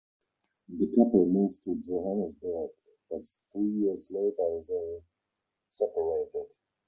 The couple moved to Johannesburg, but three years later they separated.